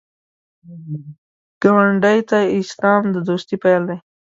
ګاونډي ته سلام، د دوستۍ پیل دی